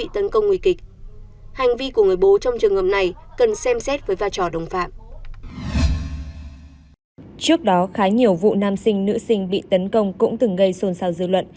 trước đó khá nhiều vụ nam sinh nữ sinh bị tấn công cũng từng gây xôn xao dư luận